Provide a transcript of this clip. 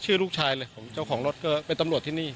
ลูกชายเลยของเจ้าของรถก็เป็นตำรวจที่นี่